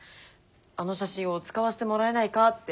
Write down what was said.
あの写真を使わせてもらえないかって。